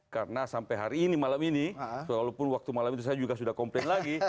karena sampai hari ini malam ini walaupun waktu malam itu saya juga sudah komplain lagi